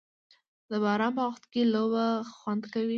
د باران په وخت کې لوبه خوند کوي.